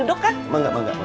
cilok cihoyama lima ratusan